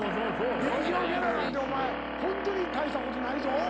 劇場のギャラなんてホントに大したことないぞ。